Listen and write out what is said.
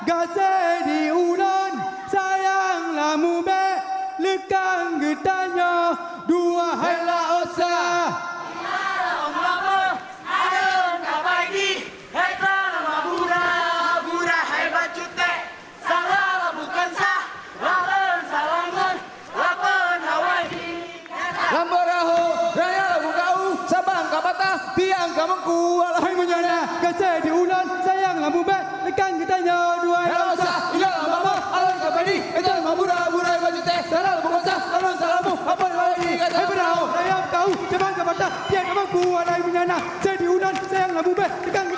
assalamualaikum warahmatullahi wabarakatuh